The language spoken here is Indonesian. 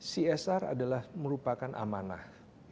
csr adalah merupakan amanah